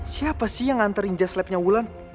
siapa sih yang nganterin jaslapnya wulan